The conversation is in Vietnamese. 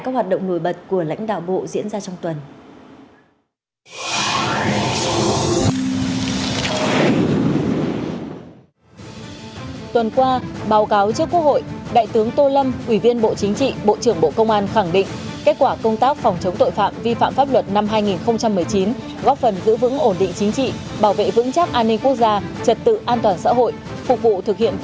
các hoạt động nổi bật của lãnh đạo bộ diễn ra trong tuần